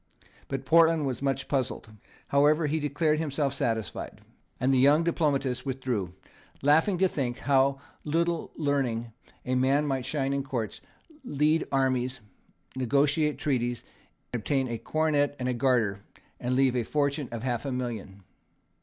But Portland was much puzzled. However, he declared himself satisfied; and the young diplomatist withdrew, laughing to think with how little learning a man might shine in courts, lead armies, negotiate treaties, obtain a coronet and a garter, and leave a fortune of half a million.